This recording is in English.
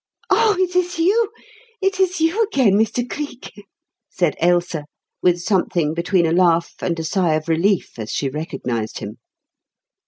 "Oh, it is you it is you again, Mr. Cleek?" said Ailsa with something between a laugh and a sigh of relief as she recognized him.